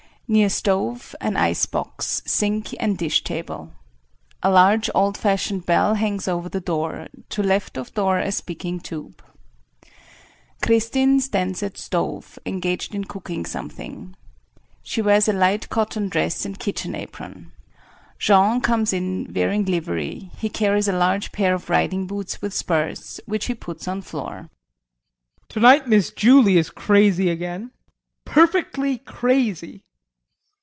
] [Near stove, an ice box, sink and dish table. A large old fashioned bell, hangs over the door, to left of door a speaking tube.] [Kristin stands at stove engaged in cooking something. She wears a light cotton dress and kitchen apron. Jean comes in wearing livery; he carries a large pair of riding boots with spurs, which he puts on floor.] JEAN. Tonight Miss Julie is crazy again, perfectly crazy.